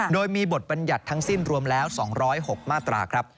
โดยมีบทบัญญัติทั้งสิ้นรวมแล้ว๒๐๖มาตราครับ